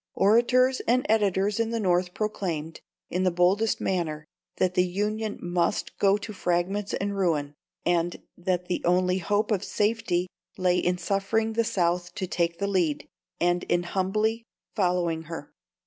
Orators and editors in the North proclaimed, in the boldest manner, that the Union must go to fragments and ruin, and that the only hope of safety lay in suffering the South to take the lead, and in humbly following her.